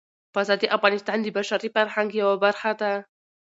پسه د افغانستان د بشري فرهنګ یوه برخه ده.